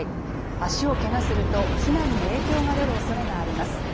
足をけがすると避難に影響が出るおそれがあります。